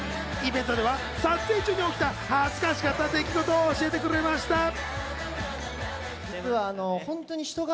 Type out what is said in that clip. イベントでは撮影中に起きた、恥ずかしかった出来事を教えてくれました。